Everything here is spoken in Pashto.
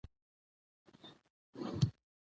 د مېلو له برکته ځوانان له خپلو کلتوري ریښو خبريږي.